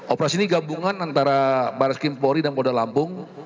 operasi ini gabungan antara baraskin polri dan kota lampung